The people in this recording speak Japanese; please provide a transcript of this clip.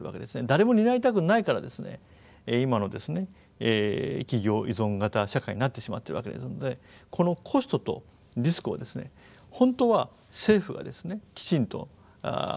誰も担いたくないから今の企業依存型社会になってしまっているわけですのでこのコストとリスクを本当は政府がきちんと担わなきゃいけない。